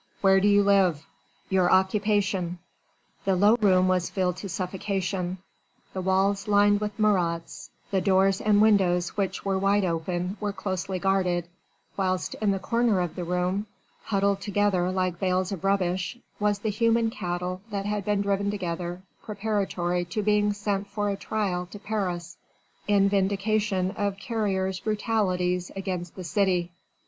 "Where do you live?" "Your occupation?" The low room was filled to suffocation: the walls lined with Marats, the doors and windows which were wide open were closely guarded, whilst in the corner of the room, huddled together like bales of rubbish, was the human cattle that had been driven together, preparatory to being sent for a trial to Paris in vindication of Carrier's brutalities against the city.